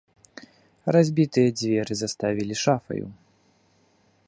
Разбітыя дзверы заставілі шафаю.